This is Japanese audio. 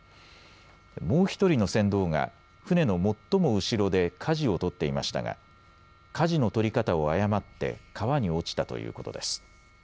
もう１人の船頭が舟の最も後ろでかじを取っていましたがかじの取り方を誤って川に落ちたということです。